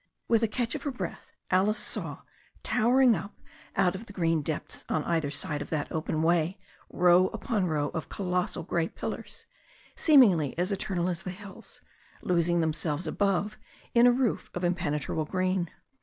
With a catch of her breath, Alice saw, towering up out of the green depths on either side of that open way, row upon row of colossal grey pillars, seemingly as eternal as the hills, losing themselves above in a roof of impenetrable green.